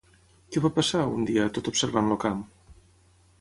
Què va passar, un dia, tot observant el camp?